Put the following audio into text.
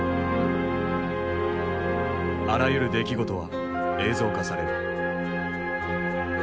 あらゆる出来事は映像化される。